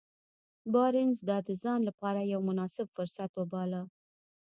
بارنس دا د ځان لپاره يو مناسب فرصت وباله.